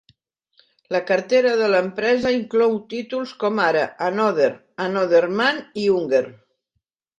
La cartera de la empresa inclou títols com ara AnOther, Another Man i Hunger.